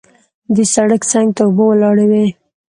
د سړک څنګ ته اوبه ولاړې وې.